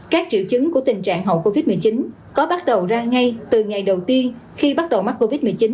các triệu chứng của tình trạng hậu covid một mươi chín có bắt đầu ra ngay từ ngày đầu tiên khi bắt đầu mắc covid một mươi chín